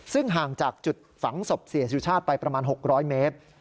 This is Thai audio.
ซึ่งห่างจากจุดฝังศพเสียสุชาติไปประมาณ๖๐๐เมตร